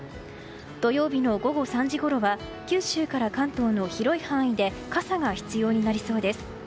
土曜日の午後３時ごろは九州から関東の広い範囲で傘が必要になりそうです。